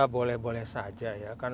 boleh boleh saja ya kan